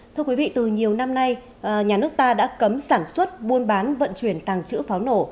thưa quý vị từ nhiều năm nay nhà nước ta đã cấm sản xuất buôn bán vận chuyển tàng trữ pháo nổ